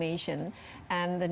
keuntungannya dan menghilang